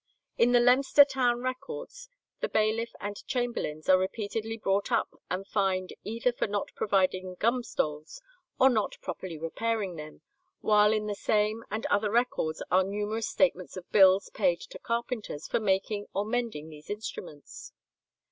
In the Leominster town records the bailiff and chamberlains are repeatedly brought up and fined either for not providing "gumstoles" or not properly repairing them, while in the same and other records are numerous statements of bills paid to carpenters for making or mending these instruments.